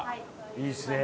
いいですね。